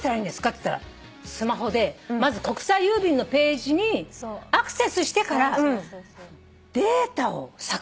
っつったらスマホでまず国際郵便のページにアクセスしてからデータを作成しなきゃいけない。